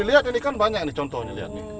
lihat ini kan banyak contohnya